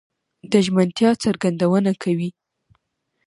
د ژمنتيا څرګندونه کوي؛